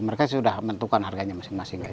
mereka sudah menentukan harganya masing masing